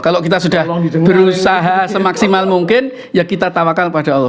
kalau kita sudah berusaha semaksimal mungkin ya kita tawakal pada allah